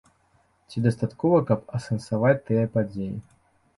Ці дастаткова, каб асэнсаваць тыя падзеі?